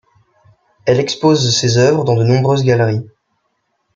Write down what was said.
Elle expose ses œuvres dans de nombreuses galeries.